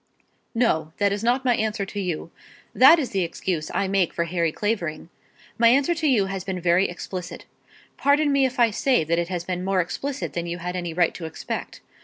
"No; that is not my answer to you. That is the excuse that I make for Harry Clavering. My answer to you has been very explicit. Pardon me if I say that it has been more explicit than you had any right to expect.